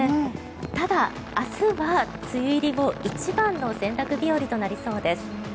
ただ、明日は梅雨入り後一番の洗濯日和となりそうです。